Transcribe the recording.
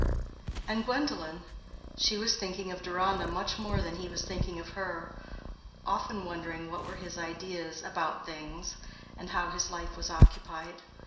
And Gwendolen? She was thinking of Deronda much more than he was thinking of her—often wondering what were his ideas "about things," and how his life was occupied.